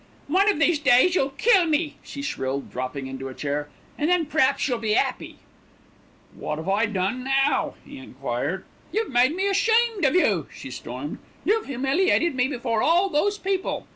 "One of these days you'll kill me," she shrilled, dropping into a chair, "and then p'raps you'll be 'appy." "Wot 'ave I done now?" he enquired. "You've made me ashamed of you," she stormed. "You've humiliated me before all those people.